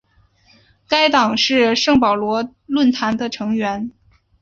该党是圣保罗论坛的成员。